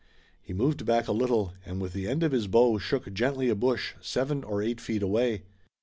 He moved back a little, and with the end of his bow shook gently a bush seven or eight feet away.